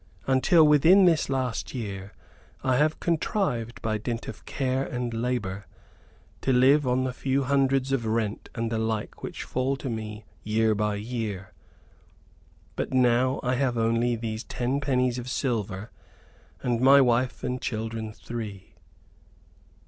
Until within this last year I have contrived by dint of care and labor, to live on the few hundreds of rent and the like which fall to me year by year; but now I have only these ten pennies of silver and my wife and children three."